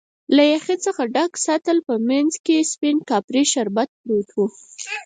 له یخی څخه د ډک سطل په مینځ کې سپین کاپري شربت پروت و.